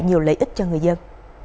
nhiều lợi ích cho người dân